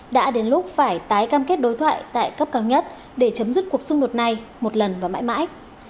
đã đến lúc phải tái cam kết đối thoại tại cấp cao nhất để chấm dứt cuộc xung đột này một lần và mãi mãi